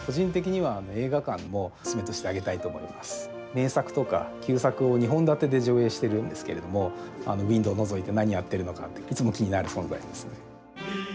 名作とか旧作を２本立てて上映しているんですけどもウインドーをのぞいて何やっているのかいつも気になる存在ですね。